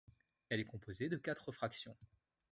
Elle est composée de quatre fractions.